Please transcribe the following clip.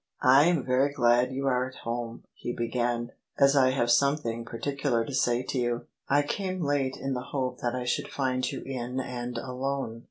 " I am very glad you are at home," he began, " as I have something particular to say to you. I came late in the hope that I should find you in and alone."